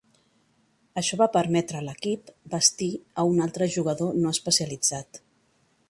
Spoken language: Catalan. Això va permetre a l"equip vestir a un altre jugador no especialitzat.